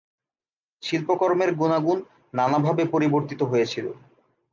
শিল্পকর্মের গুণাগুণ নানাভাবে পরিবর্তিত হয়েছিল।